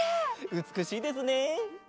うつくしいですね。